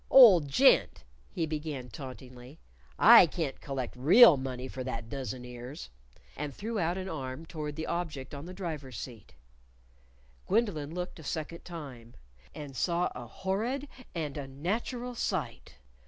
"Old gent," he began tauntingly, "I can't collect real money for that dozen ears." And threw out an arm toward the object on the driver's seat. Gwendolyn looked a second time. And saw a horrid and unnatural sight.